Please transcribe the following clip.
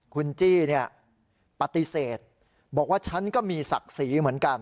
คุณจี้ปฏิเสธบอกว่าฉันก็มีศักดิ์ศรีเหมือนกัน